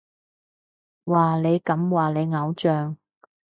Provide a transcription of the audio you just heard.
哇，你咁話你偶像？